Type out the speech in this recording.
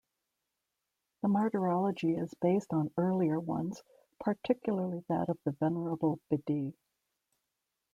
The martyrology is based on earlier ones, particularly that of the Venerable Bede.